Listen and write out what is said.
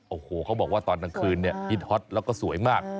โอ้โหเขาบอกว่าตอนกลางคืนเนี่ยฮิตฮอตแล้วก็สวยมาก